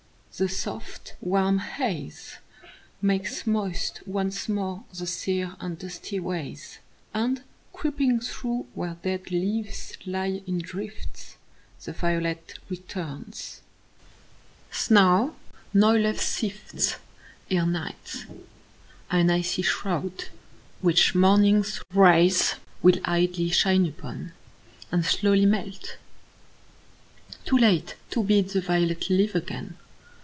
The soft, warm haze Makes moist once more the sere and dusty ways, And, creeping through where dead leaves lie in drifts, The violet returns. Snow noiseless sifts Ere night, an icy shroud, which morning's rays Willidly shine upon and slowly melt, Too late to bid the violet live again.